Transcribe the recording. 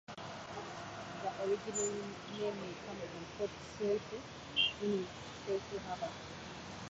The original name may come from "Port Saoithe", meaning "saithe harbour".